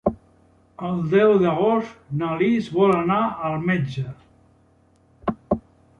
El deu d'agost na Lis vol anar al metge.